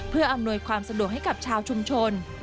เพื่ออำนวยความสะดวกให้กับชาวชุมชน